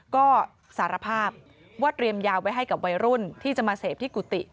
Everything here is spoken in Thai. ก็สารภาพว่าเตรียมยาไว้ให้กับวัยรุ่นที่จะมาเสพที่กุฏิ